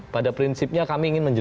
pada prinsipnya kami ingin